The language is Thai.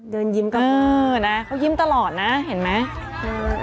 เขายิ้มตลอดนะเห็นไหม